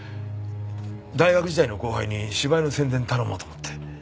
大学時代の後輩に芝居の宣伝頼もうと思って。